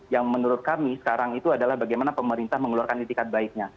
yang menurut kami sekarang itu adalah bagaimana pemerintah mengeluarkan itikat baiknya